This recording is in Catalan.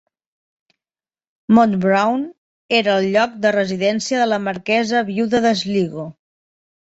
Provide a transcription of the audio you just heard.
Mount Browne era el lloc de residència de la marquesa viuda de Sligo.